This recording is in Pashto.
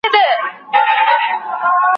تاسي تل په خپل وخت کار کوئ.